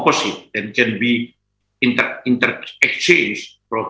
bisa menjadi inter penggaraan